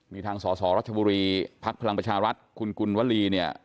มีทางสสรัชบุรีพพรคุณกุลวลีเนี่ย